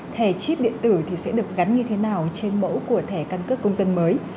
thẻ chip điện tử thì sẽ được gắn như thế nào trên mẫu của thẻ căn cước công dân mới